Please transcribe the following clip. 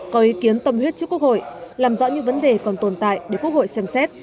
có ý kiến tâm huyết trước quốc hội làm rõ những vấn đề còn tồn tại để quốc hội xem xét